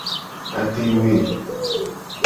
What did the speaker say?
Adewe.